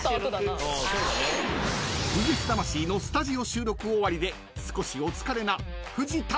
［『ＶＳ魂』のスタジオ収録終わりで少しお疲れな］